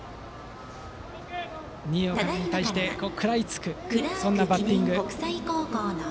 新岡に対して食らいつくバッティング。